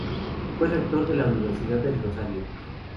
Fue Rector de la Universidad del Rosario